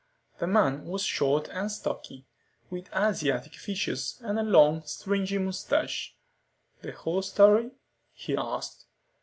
The man was short and stocky, with Asiatic features and a long, stringy mustache. "The whole story?" he asked.